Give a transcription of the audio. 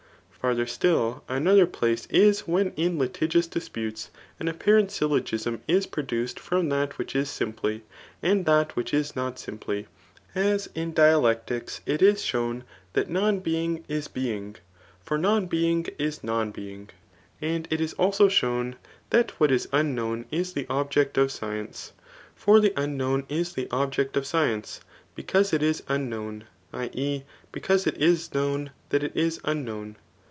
Farther still, another place is when in litigious dilutes, an apparent syllogism is pro* duced from that which is simply, and that which is not simply ; as in dialectics, it is shown that non being js being* For non being is non being. And it is also shown diat what is unknown is the object of science. For the unknown is the object of science, because it is unknown, [i. e. because it is known that it is unknown.